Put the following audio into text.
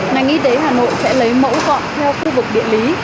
ngành y tế hà nội sẽ lấy mẫu dọn theo khu vực địa lý